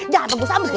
jangan nunggu sampe gua